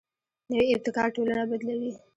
نوی ابتکار ټولنه بدلوي